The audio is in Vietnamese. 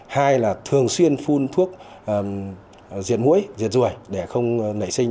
hai là thường xuyên phun thuốc diệt mũi diệt ruồi để không nảy sinh